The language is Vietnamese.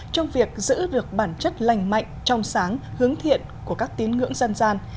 trong việc giữ được bản chất lành mạnh trong sáng hướng thiện của các tín ngưỡng dân gian